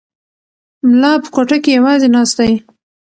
ملا په کوټه کې یوازې ناست دی.